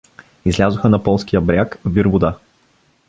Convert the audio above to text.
Излязоха на плоския бряг вир-вода.